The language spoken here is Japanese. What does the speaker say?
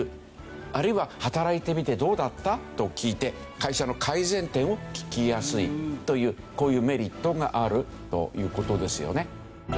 あるいは働いてみてどうだった？と聞いて会社の改善点を聞きやすいというこういうメリットがあるという事ですよね。